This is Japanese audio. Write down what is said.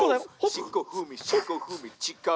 「しこふみしこふみちからあし」